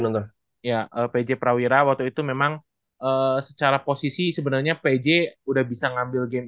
ya pj prawira waktu itu memang secara posisi sebenarnya pj udah bisa ngambil game